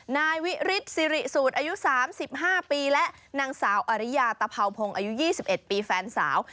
นายวิฤทธิสิริสูตรอายุ๓๕ปีและนางสาวอริยาตะเภาพงศ์อายุ๒๑ปีแฟนสาว